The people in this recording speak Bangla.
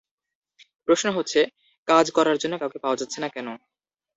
প্রশ্ন হচ্ছে, কাজ করার জন্য কাউকে পাওয়া যাচ্ছে না কেন?